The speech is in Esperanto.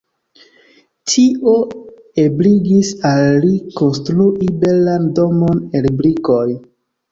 Tio ebligis al li konstrui belan domon el brikoj.